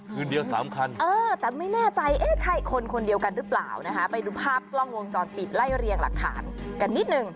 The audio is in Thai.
คืนเดียว๓คันเออแต่ไม่แน่ใจเอ๊ะใช่คนคนเดียวกันหรือเปล่านะคะไปดูภาพกล้องวงจรปิดไล่เรียงหลักฐานกันนิดนึง